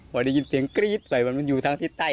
พอได้ยินเสียงกรี๊ดใส่มันอยู่ทางทิศใต้